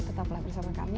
tetaplah bersama kami